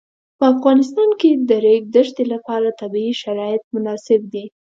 په افغانستان کې د د ریګ دښتې لپاره طبیعي شرایط مناسب دي.